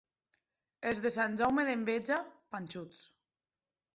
Els de Sant Jaume d'Enveja, panxuts.